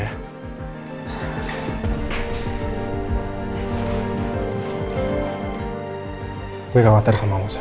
eh kok lo ada disini sih